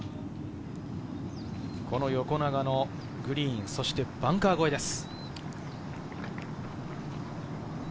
この横長のグリーン、そして、バンカー越えです。